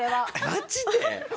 マジで！？